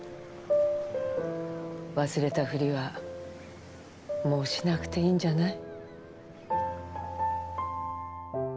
忘れたふりはもう、しなくていいんじゃない？